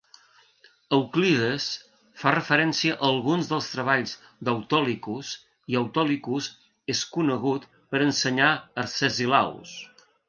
Euclides fa referència a alguns dels treballs d'Autolycus, i Autolycus és conegut per ensenyar a Arcesilaus.